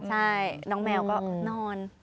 ใช่น้องแมวก็นอน